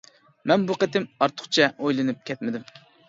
مەن بۇ قېتىم ئارتۇقچە ئويلىنىپ كەتمىدىم.